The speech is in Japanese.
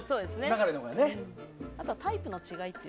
あとはタイプの違い。